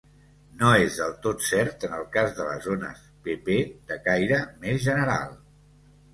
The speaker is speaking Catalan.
No és de tot cert en el cas de les ones pp de caire més general.